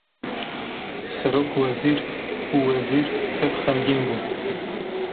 serokwezir û wezîr tev xemgîn bûn